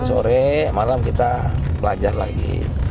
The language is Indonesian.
sore malam kita pelajar lagi